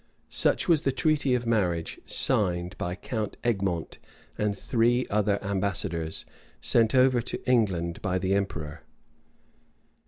[*] Such was the treaty of marriage signed by Count Egmont and three other ambassadors, sent over to England by the emperor.